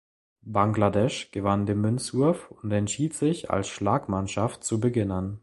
Bangladesch gewann den Münzwurf und entschied sich als Schlagmannschaft zu beginnen.